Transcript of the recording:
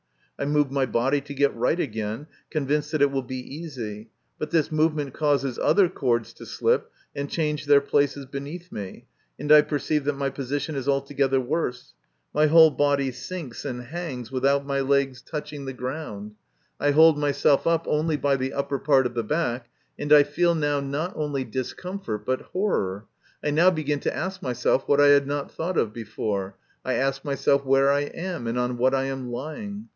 I move my body to get right again, convinced that it will be easy, but this movement causes other cords to slip and change their places beneath me, and I perceive that my position is altogether worse ; my whole body sinks and hangs without my legs touching 146 MY CONFESS/OAT. the ground. I hold myself up only by the upper part of the back, and I feel now not only discomfort, but horror. I now begin to ask myself what I had not thought of before. I ask myself where I am, and on what I am lying.